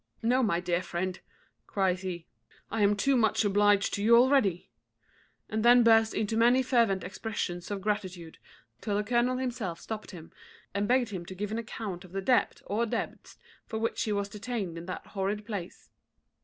"No, my dear friend," cries he, "I am too much obliged to you already;" and then burst into many fervent expressions of gratitude, till the colonel himself stopt him, and begged him to give an account of the debt or debts for which he was detained in that horrid place.